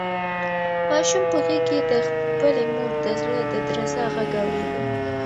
ماشوم په غېږ کې د خپلې مور د زړه د درزا غږ اورېده.